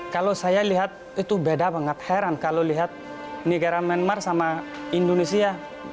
kalau saya lihat itu beda banget heran kalau lihat negara myanmar sama indonesia